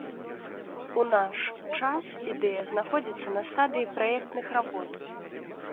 У наш час ідэя знаходзіцца на стадыі праектных работ.